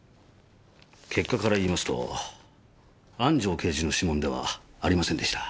結果から言いますと安城刑事の指紋ではありませんでした。